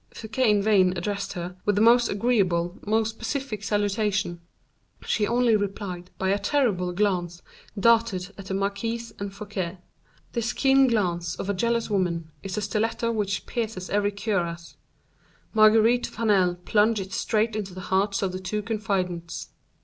Fouquet in vain addressed her, with the most agreeable, most pacific salutation; she only replied by a terrible glance darted at the marquise and Fouquet. This keen glance of a jealous woman is a stiletto which pierces every cuirass; Marguerite Vanel plunged it straight into the hearts of the two confidants.